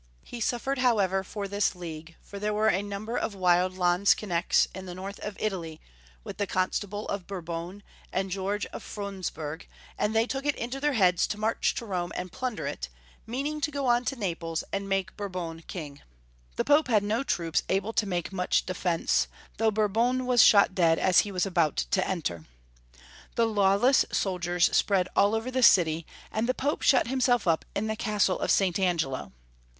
He suffered, however, for tliis league, for there were a number of wild landsknechts in the north of Italy, with the Constable of Bourbon and George of Freundsberg, and they took it into their heads to march to Kome CharleB V. 2T9 and plunder it, meaning to go on to Naples, and make Bourbon king. The Pope had no troops able to make much defence, though Boiu'bon was shot dead as he was about to enter. The lawless soldiers spread all over the city, and the Pope shut himself up in the Castle of St. Angelo.